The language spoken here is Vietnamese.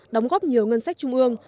đóng góp nhiều ngân sách trung ương